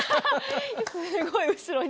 すごい後ろに。